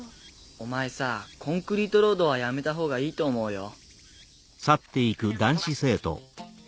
お前さ「コンクリートロード」はやめたほうがいいと思うよ。